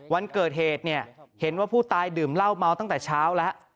วันเกิดเหตุเนี่ยเห็นว่าผู้ตายดื่มเหล้าเมาตั้งแต่เช้าแล้ว